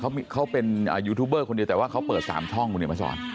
เขาเป็นยูทูบเบอร์คนเดียวแต่ว่าเขาเปิด๓ช่องคุณเห็นมาสอน